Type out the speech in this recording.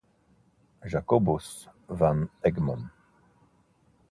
Jacobus van Egmond